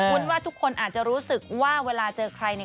ว่าทุกคนอาจจะรู้สึกว่าเวลาเจอใครเนี่ย